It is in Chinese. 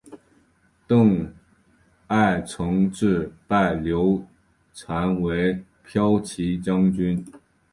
邓艾承制拜刘禅为骠骑将军。